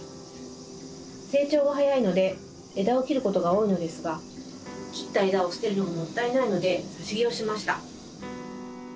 成長が早いので枝を切ることが多いのですが切った枝を捨てるのがもったいないのでさし木をしました。